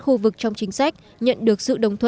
khu vực trong chính sách nhận được